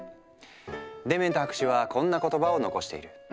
デメント博士はこんな言葉を残している。